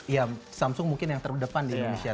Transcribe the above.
ya samsung mungkin yang terdepan di indonesia